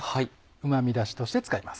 うま味ダシとして使います。